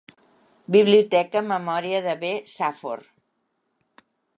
Biblioteca en memòria de B. Safford.